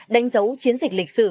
đánh dấu chiến dịch lịch sử